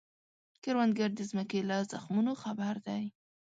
کروندګر د ځمکې له زخمونو خبر دی